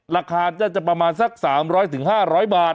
ราคาก็จะประมาณสัก๓๐๐๕๐๐บาท